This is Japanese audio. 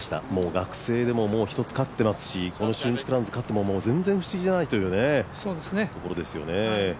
学生でも１つ勝ってますし中日クラウンズを勝っても全然、不思議じゃないというところですよね。